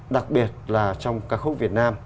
đặc biệt là trong ca khúc việt nam